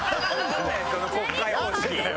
その国会方式。